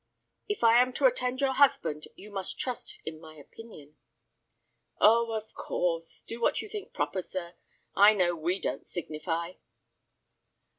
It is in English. "If I am to attend your husband you must trust in my opinion." "Oh—of course. Do what you think proper, sir. I know we don't signify."